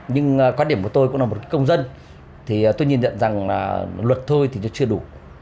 nhưng quan điểm của tôi cũng là một công dân thì tôi nhìn nhận rằng là luật thôi thì nó chưa đủ